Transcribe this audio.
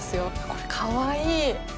これ、かわいい。